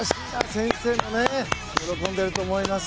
先生も喜んでいると思います。